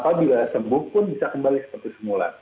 apabila sembuh pun bisa kembali seperti semula